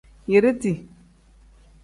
Yiriti.